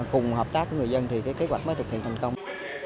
cùng hợp tác với người dân thì kế hoạch mới thực hiện thành công